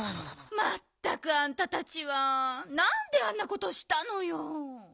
まったくあんたたちはなんであんなことしたのよ。